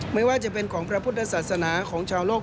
ไม่ว่าจะเป็นของพระพุทธศาสนาของชาวโลก